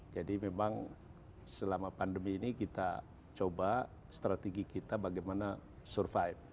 jadi memang selama pandemi ini kita coba strategi kita bagaimana survive